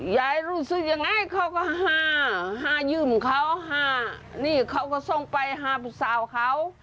ยายรู้สึกยังไงเขาก็ห้าห้ายืมเขา๕นี่เขาก็ส่งไปหาลูกสาวเขา